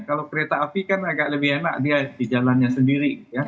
kalau kereta api kan agak lebih enak dia di jalannya sendiri